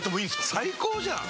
最高じゃん！